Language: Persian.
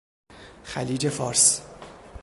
خلیج فارس